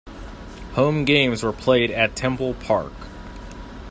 Home games were played at Temple Park.